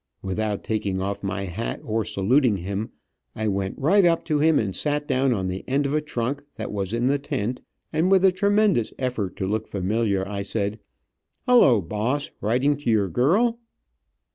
Without taking off my hat, or saluting him, I went right up to him and sat down on the end of a trunk that was in the tent, and with a tremendous effort to look familiar, I said: "Hello, Boss, writing to your girl?"